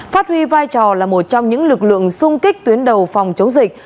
phát huy vai trò là một trong những lực lượng sung kích tuyến đầu phòng chống dịch